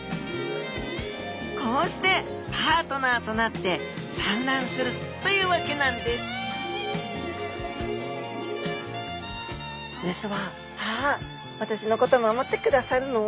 こうしてパートナーとなって産卵するというわけなんです雌は「あ私のこと守ってくださるの。